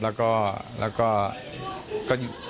แล้วก็